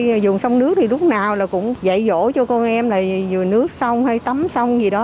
ở đây dùng sông nước thì lúc nào là cũng dạy dỗ cho con em là dù nước sông hay tấm sông gì đó